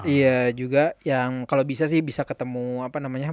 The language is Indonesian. iya juga yang kalau bisa sih bisa ketemu apa namanya